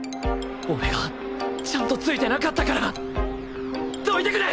俺がちゃんとついてなかったからどいてくれ！